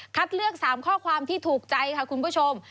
เลือก๓ข้อความที่ถูกใจค่ะคุณผู้ชม